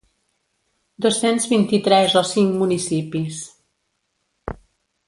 Dos-cents vint-i-tres o cinc municipis.